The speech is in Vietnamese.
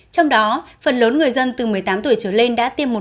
trong đó phần lớn người dân từ một mươi tám tuổi trở lên đã tiêm một